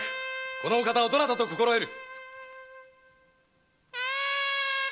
このお方をどなたと心得る！